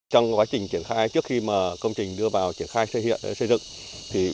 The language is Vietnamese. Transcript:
trong quá trình triển khai trước khi công trình đưa vào triển khai xây dựng